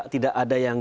tidak ada yang